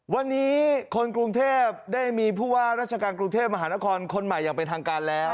วันนี้คนกรุงเทพได้มีผู้ว่าราชการกรุงเทพมหานครคนใหม่อย่างเป็นทางการแล้ว